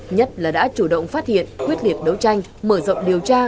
nhất là đã chủ động phát hiện quyết liệt đấu tranh mở rộng điều tra